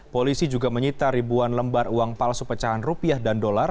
polisi juga menyita ribuan lembar uang palsu pecahan rupiah dan dolar